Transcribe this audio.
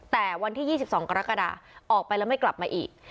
แต่วันที่๒๒กรกฎาออกไปแล้วไม่กลับมาอีก